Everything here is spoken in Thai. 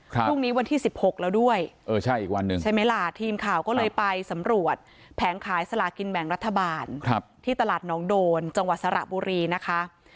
พรุ่งนี้วันที่๑๖แล้วด้วยเออใช่อีกวันหนึ่งใช่ไหมล่ะทีมข่าวก็เลยไปสำรวจแผงขายสลากินแบ่งรัฐบาลที่ตลาดน้องโดนจังหวัดสระบุรีนะคะ